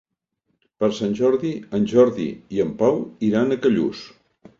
Per Sant Jordi en Jordi i en Pau iran a Callús.